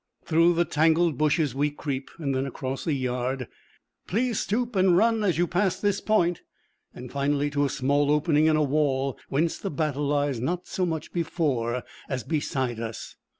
Through the tangled bushes we creep, then across a yard 'Please stoop and run as you pass this point' and finally to a small opening in a wall, whence the battle lies not so much before as beside us.